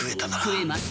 食えます。